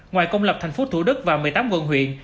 ngoài công lập thành phố thủ đức và một mươi tám quận huyện